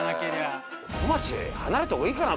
小町離れた方がいいかな。